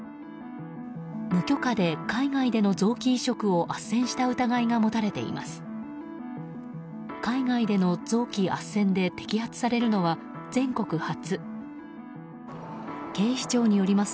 無許可で海外での臓器移植をあっせんした疑いが持たれています。